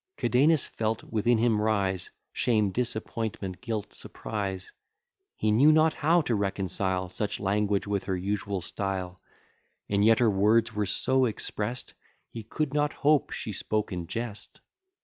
Cadenus felt within him rise Shame, disappointment, guilt, surprise. He knew not how to reconcile Such language with her usual style: And yet her words were so exprest, He could not hope she spoke in jest.